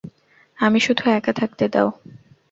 আমি শুধু একা থাকতে দাও।